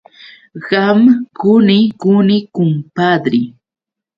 Qam quni quni, kumpadri.